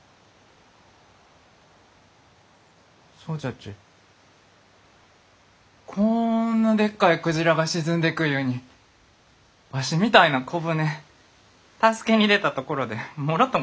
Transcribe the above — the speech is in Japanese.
そうじゃちこんなでっかいクジラが沈んでくゆうにわしみたいな小舟助けに出たところでもろとも沈むき。